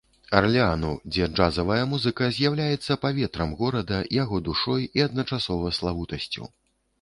Арлеану, дзе джазавая музыка з'яўляецца паветрам горада, яго душой і адначасова славутасцю.